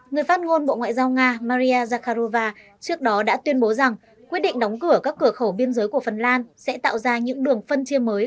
người phát ngôn bộ ngoại giao nga maria zakharova trước đó đã tuyên bố rằng quyết định đóng cửa các cửa khẩu biên giới của phần lan sẽ tạo ra những đường phân chia mới